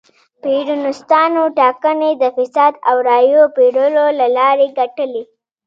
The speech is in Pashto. پېرونیستانو ټاکنې د فساد او رایو پېرلو له لارې ګټلې.